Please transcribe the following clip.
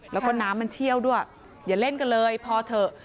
แล้วก็น้ำมันเชี่ยวด้วยอย่าเล่นกันเลยพอเถอะ